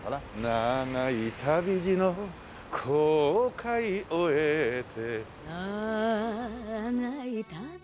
「長い旅路の航海終えて」